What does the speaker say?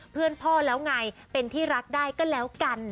เพื่อนพ่อแล้วไงเป็นที่รักได้ก็แล้วกัน